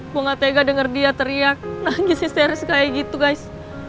gue gak tega dengar dia teriak nangis histeris kayak gitu guys